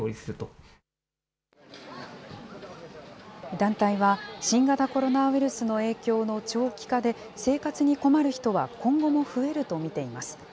団体は、新型コロナウイルスの影響の長期化で、生活に困る人は今後も増えると見ています。